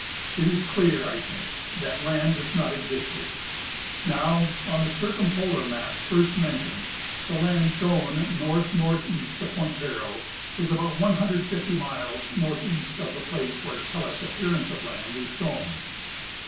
It is clear, I think, that land does not exist here. Now, on the circumpolar map first mentioned the land shown north northeast of point Barrow is about 150 miles northeast of the place where Kellett's " appearance of land " is shown.